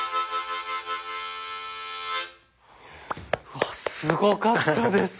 わすごかったです！